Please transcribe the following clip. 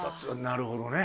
なるほどね。